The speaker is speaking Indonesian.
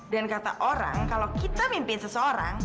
dan kata orang kalau kita mimpin seseorang